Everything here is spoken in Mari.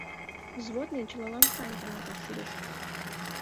Взводный чылалан сайын каналташ шӱдыш.